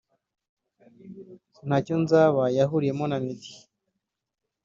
‘Ntacyo nzaba’ yahuriyemo na Meddy